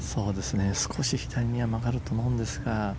少し左には曲がると思うんですが。